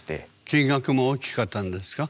金額も大きかったんですか？